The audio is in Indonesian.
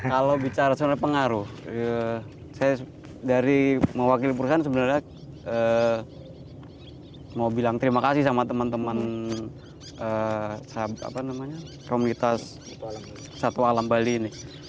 kalau bicara sebenarnya pengaruh saya dari mewakili perusahaan sebenarnya mau bilang terima kasih sama teman teman komunitas satwa alam bali ini